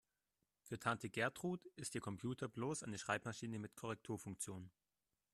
Für Tante Gertrud ist ihr Computer bloß eine Schreibmaschine mit Korrekturfunktion.